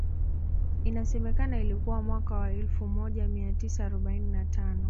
Inasemekana ilikuwa mwaka wa elfu moja mia tisa arobaini na tano